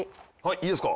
いいですか？